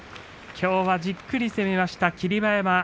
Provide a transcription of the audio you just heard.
きょうはじっくり攻めた霧馬山。